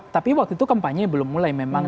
tapi waktu itu kampanye belum mulai memang